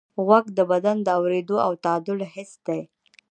غوږ د بدن د اورېدو او تعادل حس دی.